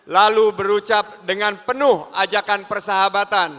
lalu berucap dengan penuh ajakan persahabatan